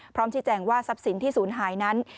ชี้แจงว่าทรัพย์สินที่ศูนย์หายนั้น